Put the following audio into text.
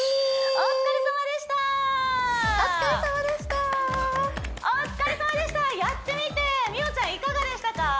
お疲れさまでしたお疲れさまでしたやってみて美桜ちゃんいかがでしたか？